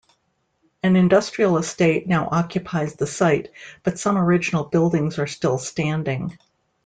An industrial estate now occupies the site but some original buildings are still standing.